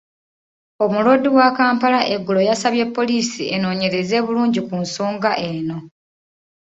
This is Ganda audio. Omuloodi wa Kampala eggulo yasabye poliisi enoonyereze bulungi ku nsonga eno.